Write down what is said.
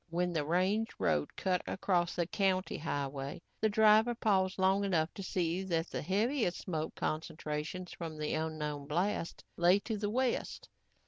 When the range road cut across the county highway, the driver paused long enough to see that the heaviest smoke concentrations from the unknown blast lay to the west.